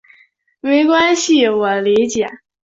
没关系，我理解。